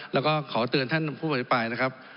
แล้วก็ขอเตือนท่านผู้อภิปรายนะครับ